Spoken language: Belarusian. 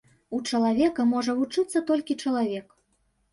У чалавека можа вучыцца толькі чалавек.